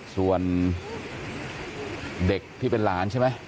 ส่วนเด็กที่เป็นหลานใช่ไหม